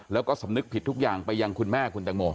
แล้วก็สำนึกผิดทุกอย่างไปยังคุณแม่คุณตังโม